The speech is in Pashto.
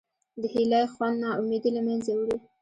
د هیلې خوند نا امیدي له منځه وړي.